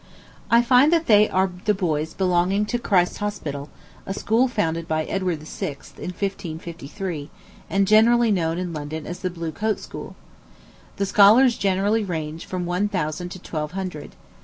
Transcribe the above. I find that they are the boys belonging to Christ's Hospital, a school founded by Edward VI., in 1553, and generally known in London as the Blue Coat School. The scholars generally range from one thousand to twelve hundred.